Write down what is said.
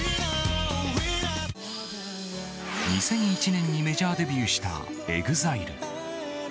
２００１年にメジャーデビューしたＥＸＩＬＥ。